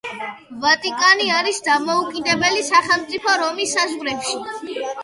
ვატიკანი არის დამოუკიდებელი სახელმწიფო რომის საზღვრებში.